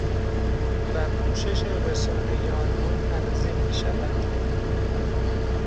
و پوشش رسانه ای آنها تنظیم می شود